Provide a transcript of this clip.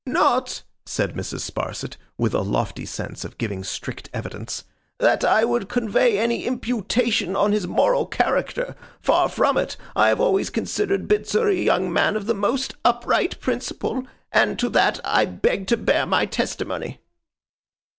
Not,' said Mrs. Sparsit, with a lofty sense of giving strict evidence, 'that I would convey any imputation on his moral character. Far from it. I have always considered Bitzer a young man of the most upright principle; and to that I beg to bear my testimony.